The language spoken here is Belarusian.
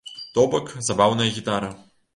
То бок, забаўная гітара.